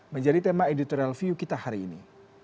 menjadi tema editorial view kita hari ini